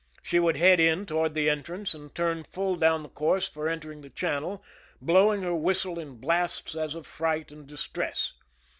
She would head in toward the entrance and turn full down the course for entering the channel, blow ing her whistle in blasts as of fright and distress.